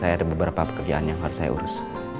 saya ada beberapa pekerjaan yang harus saya urus